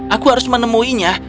aku harus menemuinya